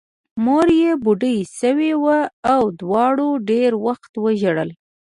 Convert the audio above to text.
مور یې بوډۍ شوې وه او دواړو ډېر وخت وژړل